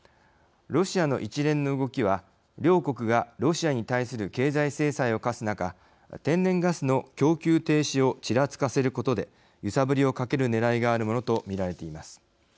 ロシアの一連の動きは両国がロシアに対する経済制裁を科す中天然ガスの供給停止をちらつかせることで揺さぶりをかけるねらいがあるものと見られています。